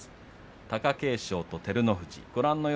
貴景勝と照ノ富士。